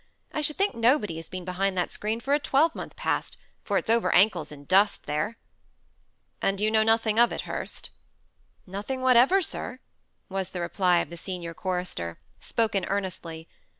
I should think nobody has been behind that screen for a twelvemonth past, for it's over ankles in dust there." "And you know nothing of it, Hurst?" "Nothing whatever, sir," was the reply of the senior chorister, spoken earnestly.